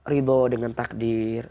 ridho dengan takdir